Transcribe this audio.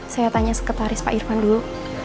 saya tanya sekretaris pak irfan dulu